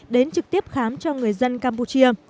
đến trực tiếp khám cho người dân campuchia